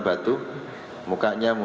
batu mukanya mulut